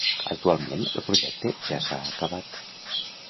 Actualment el projecte ja s'ha acabat.